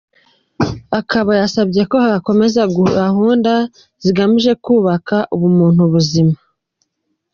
Akaba yasabye ko hakomeza gahunda zigamije kubaka ubumuntu buzima.